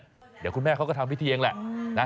เดี๋ยวคุณแม่เขาก็ทำพิธีเองแหละนะ